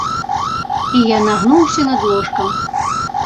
І я нагнуўся над ложкам.